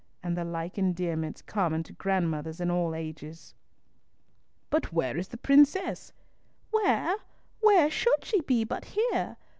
and the like endearments common to grandmothers in all ages. "But where is the princess?" "Where? Where should she be but here?